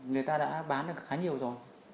người ta đã bán được khá nhiều rồi